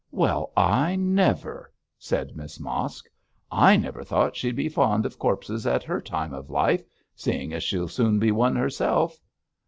'Well I never!' said Miss Mosk. 'I never thought she'd be fond of corpses at her time of life, seeing as she'll soon be one herself.'